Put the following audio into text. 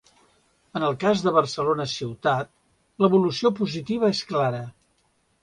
En el cas de Barcelona ciutat, l’evolució positiva és clara.